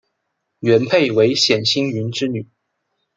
元配为冼兴云之女。